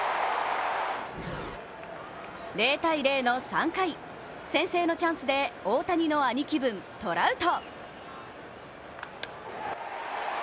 ０−０の３回、先制のチャンスで大谷の兄貴分、トラウト。